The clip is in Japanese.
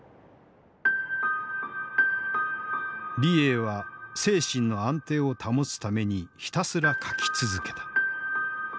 李鋭は精神の安定を保つためにひたすら書き続けた。